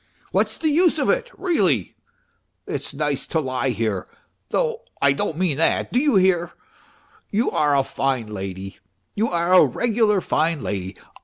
What's the use of it, really? It's nice to lie here. ... Though I don't mean that, do you hear ? You are a fine lady, you are a regular fine lady.